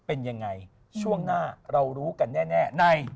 เป็นยังไงช่วงหน้าเรารู้กันแน่ใน